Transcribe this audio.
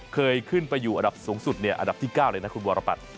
เคยขึ้นไปอยู่อันดับสูงสุดเนี่ยอันดับที่๙เลยนะครับคุณบรพันธ์